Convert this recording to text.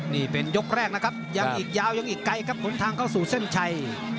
นี่เป็นยกแรกนะครับยังอีกยาวยังอีกไกลครับขนทางเข้าสู่เส้นชัย